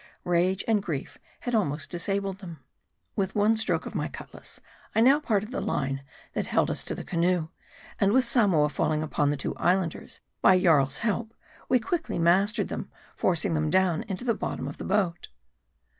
Rage and grief had almost disabled them. With one stroke of my cutlass, I now parted the line that held us to the canoe, and with Samoa falling upon the two Islanders, by Jarl's help, we quickly mastered them ; forcing them down into the' bottom of the boat.